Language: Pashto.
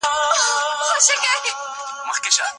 مثبت معلومات د انسان د فکر د پیاوړتیا لپاره دي.